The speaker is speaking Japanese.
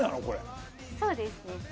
これそうですね